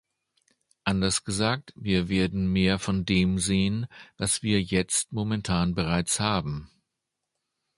Anders gesagt, wir werden mehr von dem sehen, was wir jetzt momentan bereits haben.